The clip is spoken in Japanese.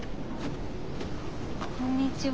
こんにちは。